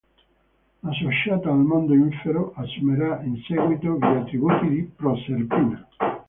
Associata al mondo infero, assumerà in seguito gli attributi di Proserpina.